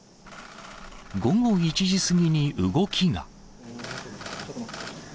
午後１時過ぎに動きが。